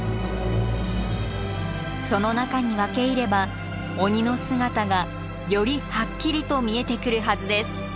その中に分け入れば鬼の姿がよりはっきりと見えてくるはずです。